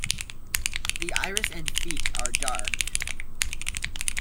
The iris and feet are dark.